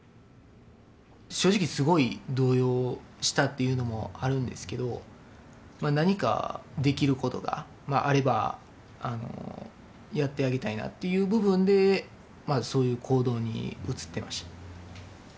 正直すごい動揺したっていうのもあるんですけど何かできることがあればやってあげたいなっていう部分でそういう行動に移ってました